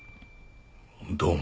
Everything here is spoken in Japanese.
どうも。